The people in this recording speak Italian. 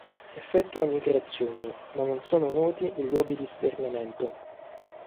Effettua migrazioni, ma non sono noti i luoghi di svernamento.